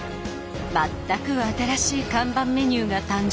全く新しい看板メニューが誕生。